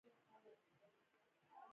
ځاځي اریوب ځنګلونه لري؟